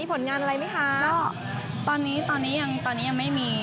ตอนนี้ยังไม่มีข่าวผลงานเกี่ยวกับเพลงหรืออะไรอย่างนี้